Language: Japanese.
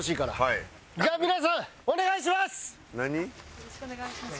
よろしくお願いします。